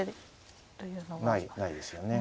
ないですよね。